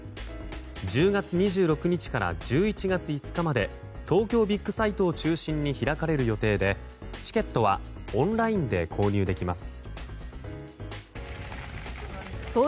１０月２６日から１１月５日まで東京ビッグサイトを中心に開かれる予定でチケットはオンラインで購入できます。